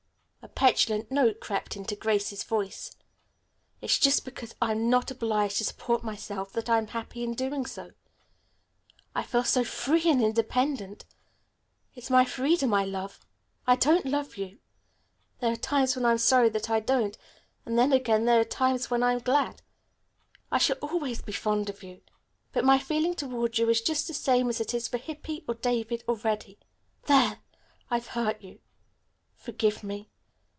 A petulant note crept into Grace's voice. "It's just because I'm not obliged to support myself that I'm happy in doing so. I feel so free and independent. It's my freedom I love. I don't love you. There are times when I'm sorry that I don't, and then again there are times when I'm glad. I shall always be fond of you, but my feeling toward you is just the same as it is for Hippy or David or Reddy. There! I've hurt you. Forgive me.